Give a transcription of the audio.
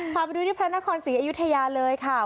พาไปดูที่พระนครศรีอยุธยาเลยค่ะ